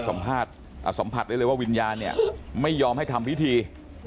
สัมผัสสัมผัสได้เลยว่าวิญญาณเนี่ยไม่ยอมให้ทำพิธี